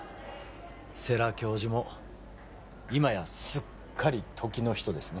世良教授も今やすっかり時の人ですね